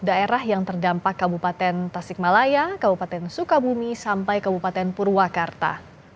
daerah yang terdampak kabupaten tasikmalaya kabupaten sukabumi sampai kabupaten purwakarta